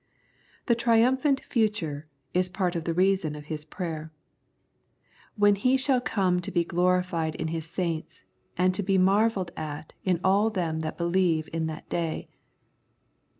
The Triumphant Future is part of the reason of his prayer. " When He shall come to be glorified in His saints, and to be mar velled at in all them that believe in that day."